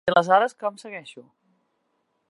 I aleshores com segueixo?